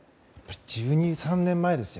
１２１３年前ですよ。